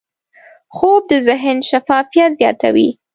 خوب د ذهن شفافیت زیاتوي